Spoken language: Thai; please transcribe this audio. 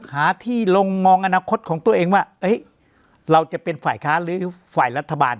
หาที่ลงมองอนาคตของตัวเองว่าเราจะเป็นฝ่ายค้าหรือฝ่ายรัฐบาล